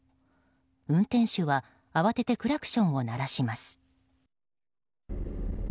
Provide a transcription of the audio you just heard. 運転手は慌ててクラクションを鳴らします。